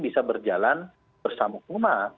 akan berjalan bersama umat